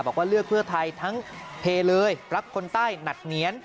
บอกว่าเลือกเพื่อไทยทั้งเพลเลยรักคนใต้หนักเหนียน